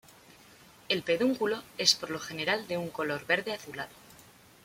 El pedúnculo es por lo general de un color verde-azulado.